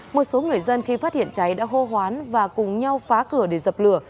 một số người dân khi phát hiện cháy đã hô hoán và cùng nhau phá cửa để dập lửa